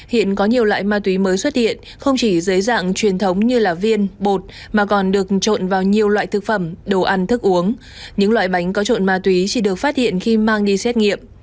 hiện có nhiều loại ma túy mới xuất hiện không chỉ dưới dạng truyền thống như là viên bột mà còn được trộn vào nhiều loại thực phẩm đồ ăn thức uống những loại bánh có trộn ma túy chỉ được phát hiện khi mang đi xét nghiệm